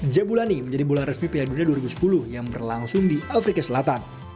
jebulani menjadi bulan resmi piala dunia dua ribu sepuluh yang berlangsung di afrika selatan